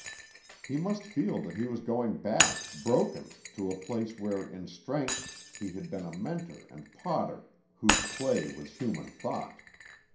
He must feel that he was going back, broken, to a place where, in strength, he had been a mentor and potter whose clay was human thought.